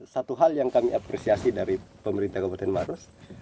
satu hal yang kami apresiasi dari pemerintah kabupaten maros